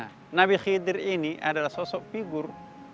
nah nabi khidir ini adalah sosok figur